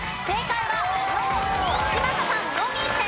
正解は行。